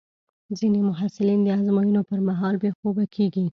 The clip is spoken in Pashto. ځینې محصلین د ازموینو پر مهال بې خوبه کېږي.